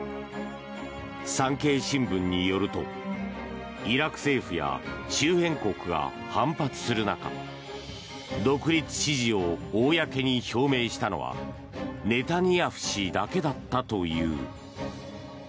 産経新聞によるとイラク政府や周辺国が反発する中独立支持を公に表明したのはネタニヤフ氏だけだったという。